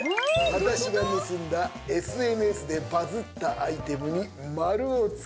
私が盗んだ、ＳＮＳでバズったアイテムに丸をつけろ。